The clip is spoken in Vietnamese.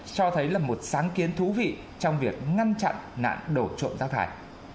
cho thấy là một sáng kiến thú vị trong việc ngăn chặn nạn đổ trộm rác thải